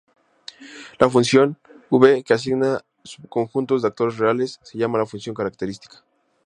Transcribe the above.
La función "v" que asigna subconjuntos de actores reales se llama función característica.